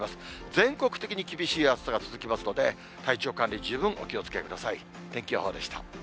全国的に厳しい暑さが続きますので、体調管理、十分お気をつけください。